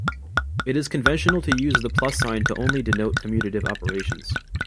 It is conventional to use the plus sign to only denote commutative operations.